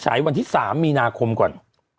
ฉายวันที่๓มีนาคมก่อน